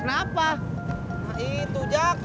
kayanya pria dolan